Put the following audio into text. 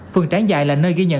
phường tráng dạy là nơi ghi nhận